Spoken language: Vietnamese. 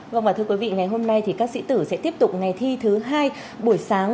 vâng và thưa quý vị ngày hôm nay thì các sĩ tử sẽ tiếp tục ngày thi thứ hai buổi sáng